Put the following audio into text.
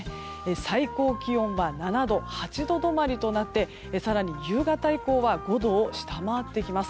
最高気温は７度、８度止まりとなって更に夕方以降は５度を下回ってきます。